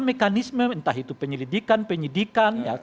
mekanisme entah itu penyelidikan penyidikan